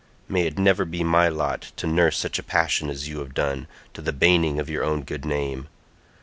May it never be my lot to nurse such a passion as you have done, to the baning of your own good name.